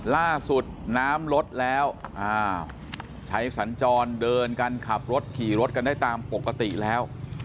น้ำลดแล้วใช้สัญจรเดินกันขับรถขี่รถกันได้ตามปกติแล้ว